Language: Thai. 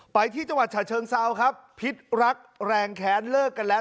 ไปที่จังหวัดฉะเชิงเซาครับพิษรักแรงแค้นเลิกกันแล้ว